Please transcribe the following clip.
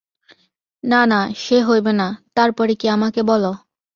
না না, সে হইবে না, তার পরে কী আমাকে বলো।